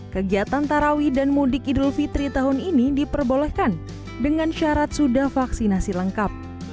kegiatan tarawi dan mudik idul fitri tahun ini diperbolehkan dengan syarat sudah vaksinasi lengkap